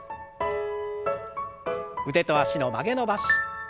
腕と脚の曲げ伸ばし。